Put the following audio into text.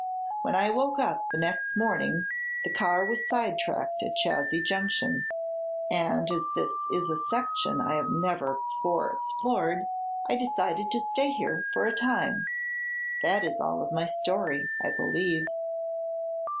When I woke up the next morning the car was sidetracked at Chazy Junction, and as this is a section I have never before explored I decided to stay here for a time. That is all of my story, I believe."